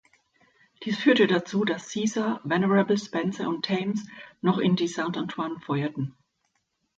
Dies führte dazu, dass "Caesar", "Venerable", "Spencer" und "Thames" noch in die "Saint-Antoine" feuerten.